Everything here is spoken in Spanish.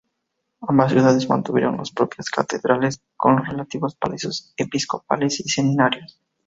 Ambas ciudades mantuvieron las propias catedrales con los relativos palacios episcopales y seminarios.